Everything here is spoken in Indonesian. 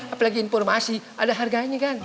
apalagi informasi ada harganya kan